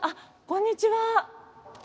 こんにちは。